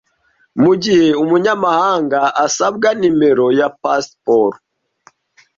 mu gihe umunyamahanga asabwa nimero ya pasiporo.